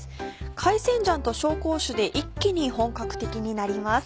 海鮮醤と紹興酒で一気に本格的になります。